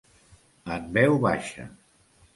En veu baixa.